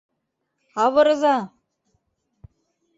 — Авырыза!..